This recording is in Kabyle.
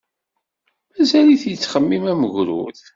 Mazal-it yettxemmim am ugrud.